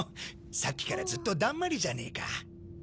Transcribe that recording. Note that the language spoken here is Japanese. さっきからずっとだんまりじゃねえか。